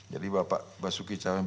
jadi bapak basuki cahaya